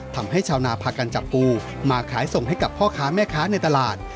ทำให้ชาวนาพากันจับปูมาขายส่งให้กับพ่อค้าแม่ค้าในตลาด